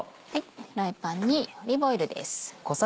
フライパンにオリーブオイルです。